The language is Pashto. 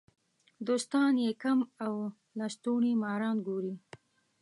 دوستان یې کم او لستوڼي ماران ګوري.